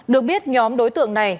được biết nhóm đối tượng này